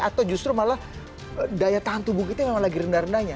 atau justru malah daya tahan tubuh kita memang lagi rendah rendahnya